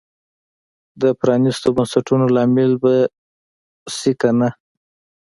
د پرانیستو بنسټونو لامل به شي که نه.